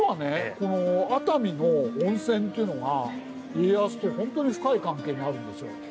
この熱海の温泉というのが家康とほんとに深い関係にあるんですよ。